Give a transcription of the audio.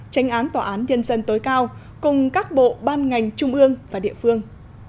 tranh án tòa án nhân dân tối cao cùng các bộ ban ngành trung ương và địa phương